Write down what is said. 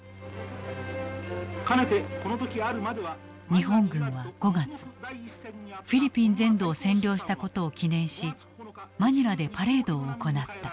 日本軍は５月フィリピン全土を占領したことを記念しマニラでパレードを行った。